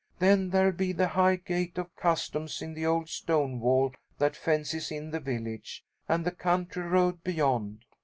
Then there'll be the high gate of customs in the old stone wall that fences in the village, and the country road beyond.